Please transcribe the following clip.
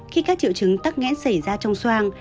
khi các triệu chứng tắc nghẽn xảy ra trong xoang